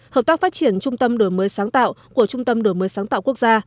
hợp tác phát triển trung tâm đổi mới sáng tạo của trung tâm đổi mới sáng tạo quốc gia